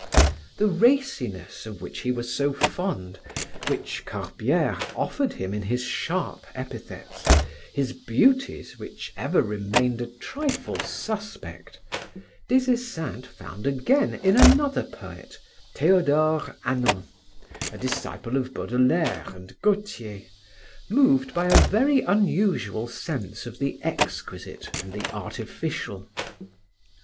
The raciness of which he was so fond, which Corbiere offered him in his sharp epithets, his beauties which ever remained a trifle suspect, Des Esseintes found again in another poet, Theodore Hannon, a disciple of Baudelaire and Gautier, moved by a very unusual sense of the exquisite and the artificial.